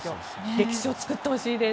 歴史を作ってほしいです。